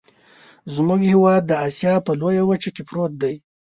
زمونږ هیواد د اسیا په لویه وچه کې پروت دی.